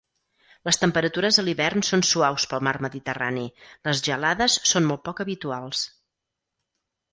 Les temperatures a l'hivern són suaus pel Mar Mediterrani; les gelades són molt poc habituals.